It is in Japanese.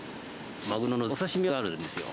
マグロのお刺身があるんですよ。